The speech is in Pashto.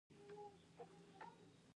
د سترګو د خارښ لپاره باید څه شی وکاروم؟